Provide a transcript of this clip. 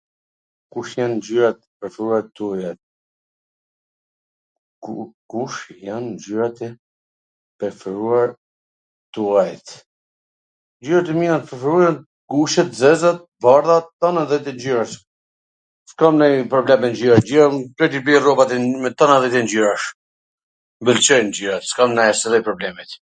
Kush jan ngjyrat e preferuara tuajat? Ngjyrat e mia t preferuara jan t kuqe, t zez dhe t bardha, lloj lloj ngjyrash, s kam nanj problem me ngjyra, m t tana llojet e ngjyrash, M pwlqejn ngjyrat, s kam asnjw lloj problemi.